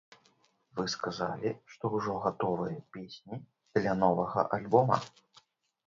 Вы сказалі, што ўжо гатовыя песні для новага альбома.